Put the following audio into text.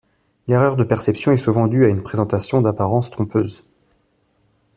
L'erreur de perception est souvent due à une présentation d'apparence trompeuse.